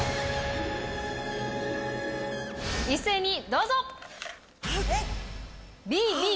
一斉にどうぞ！